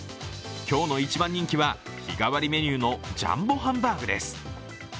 今日の一番人気は日替わりメニューのジャンボハンバーグです。